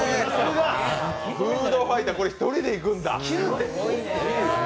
フードファイター、これ１人でいくんだ。